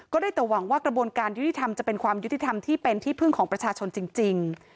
ได้แต่หวังว่ากระบวนการยุติธรรมจะเป็นความยุติธรรมที่เป็นที่พึ่งของประชาชนจริง